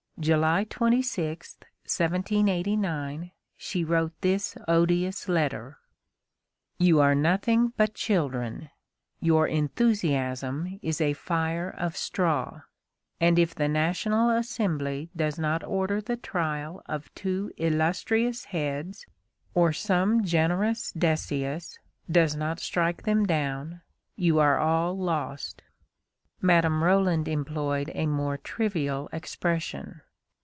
July 26, 1789, she wrote this odious letter: "You are nothing but children; your enthusiasm is a fire of straw, and if the National Assembly does not order the trial of two illustrious heads, or some generous Decius does not strike them down, you are all ... lost" (Madame Roland employed a more trivial expression).